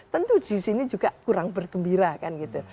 tentu di sini juga kurang bergembira kan gitu